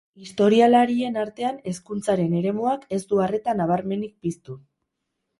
Historialarien artean hezkuntzaren eremuak ez du arreta nabarmenik piztu.